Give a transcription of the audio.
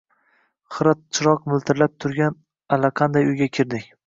Xira chiroq miltirab turgan allaqanday uyga kirdik.